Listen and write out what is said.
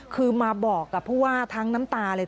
คือมาบอกกับผู้ว่าทั้งน้ำตาเลย